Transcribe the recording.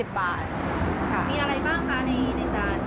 มีอะไรบ้างคะในจาน